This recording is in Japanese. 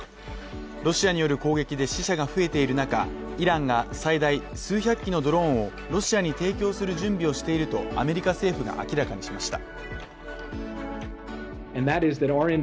ロシアによる攻撃で死者が増えている中イランが最大数百機のドローンをロシアに提供する準備をしているとアメリカ政府が明らかにしました。